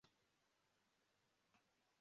Itsinda ryabakozi bubaka ikintu